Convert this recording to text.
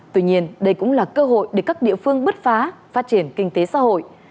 tuy nhiên đây cũng là cơ hội để các địa phương bứt phá phát triển kinh tế xã hội